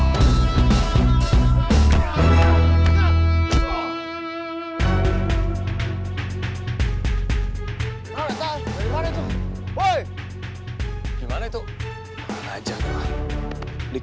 tentang mana sumbernya tadi